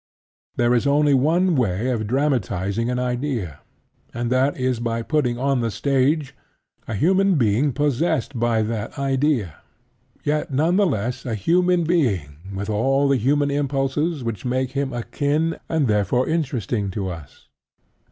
There is only one way of dramatizing an idea; and that is by putting on the stage a human being possessed by that idea, yet none the less a human being with all the human impulses which make him akin and therefore interesting to us.